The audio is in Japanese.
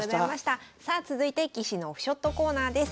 さあ続いて棋士のオフショットコーナーです。